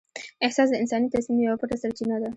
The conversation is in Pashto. احساس د انساني تصمیم یوه پټه سرچینه ده.